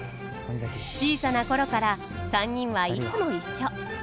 小さな頃から３人はいつも一緒。